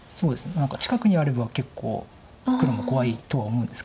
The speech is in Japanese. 何か近くにあれば結構黒も怖いとは思うんですけど。